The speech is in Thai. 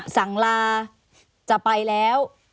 สั่งลาจะไปแล้ว